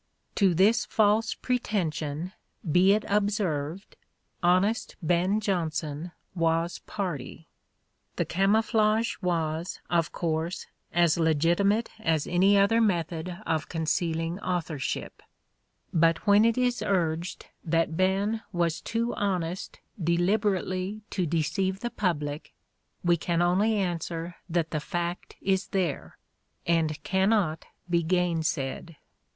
To this false THE STRATFORDIAN VIEW 43 pretension, be it observed, " honest Ben Jonson " was party. The camouflage was, of course, as legitimate as any other method of concealing author ship : but when it is urged that Ben was too honest deliberately to deceive the public, we can only answer that the fact is there and cannot be gainsaid.